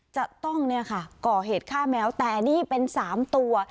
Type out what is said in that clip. จะต้องเนี่ยค่ะก่อเหตุฆ่าแมวแต่นี่เป็น๓ตัว